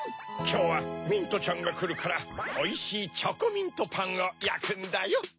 きょうはミントちゃんがくるからおいしいチョコミントパンをやくんだよ。